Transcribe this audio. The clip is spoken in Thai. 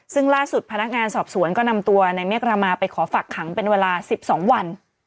ซึ่งล่าสุดพนักงานสอบสวนก็นำตัวในเมฆรามาไปขอฝักขังเป็นเวลา๑๒วัน